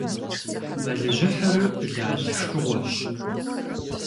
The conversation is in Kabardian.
Мэлыжьыхьыр лал шхыгъуэщ.